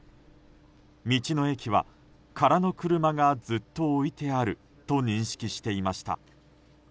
道の駅は空の車がずっと置いてあると認識していました。